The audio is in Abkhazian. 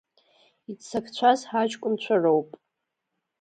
Иццакцәаз ҳаҷкәынцәа роуп!